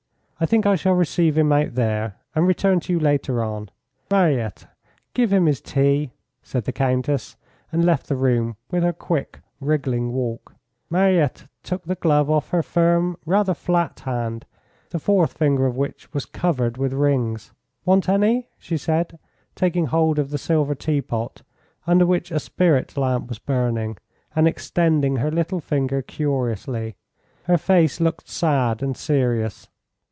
I think I shall receive him out there, and return to you later on. Mariette, give him his tea," said the Countess, and left the room, with her quick, wriggling walk. Mariette took the glove off her firm, rather flat hand, the fourth finger of which was covered with rings. "Want any?" she said, taking hold of the silver teapot, under which a spirit lamp was burning, and extending her little finger curiously. Her face looked sad and serious.